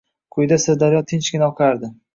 Quyida sirdaryo tinchgina oqardi